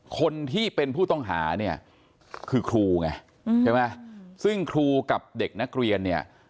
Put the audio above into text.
คนที่เป็นผู้ต้องหาเนี่ยคือครูไงใช่ไหมซึ่งครูกับเด็กนักเรียนเนี่ย